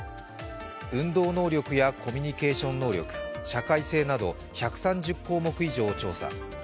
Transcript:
運動能力やコミュニケーション能力、社会性など１３０項目以上を調査。